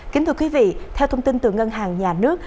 kính thưa quý vị theo thông tin từ ngân hàng nhà nước